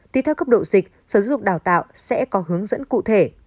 thì theo cấp độ dịch sở giáo dục đào tạo sẽ có hướng dẫn cụ thể